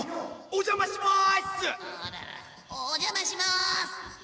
お邪魔します！